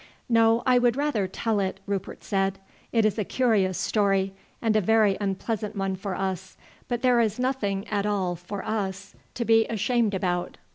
"No, I would rather tell it," Rupert said. "It is a curious story, and a very unpleasant one for us, but there is nothing at all for us to be ashamed about."